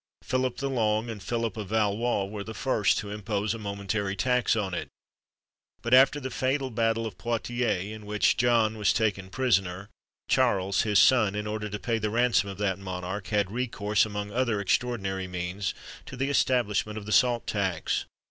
Philip the Long and Philip of Valois were the first to impose a momentary tax on it; but after the fatal battle of Poictiers, in which John was taken prisoner, Charles, his son, in order to pay the ransom of that monarch, had recourse, among other extraordinary means, to the establishment of the salt tax.